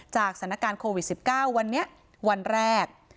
จากสถานการณ์โควิดสิบเก้าวันเนี้ยวันแรก